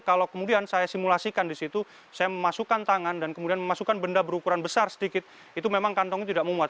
kalau kemudian saya simulasikan di situ saya memasukkan tangan dan kemudian memasukkan benda berukuran besar sedikit itu memang kantongnya tidak memuat